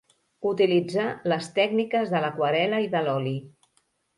Utilitzà les tècniques de l’aquarel·la i de l’oli.